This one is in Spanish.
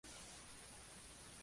Tiene seis subespecies reconocidas.